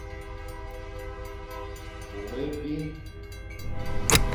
Bôm évîn.